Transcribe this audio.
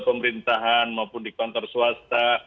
pemerintahan maupun di kantor swasta